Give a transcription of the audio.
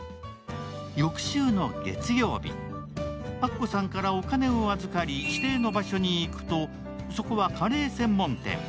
翌週の月曜日、アッコさんからお金を預かり、指定の場所に行くと、そこはカレー専門店。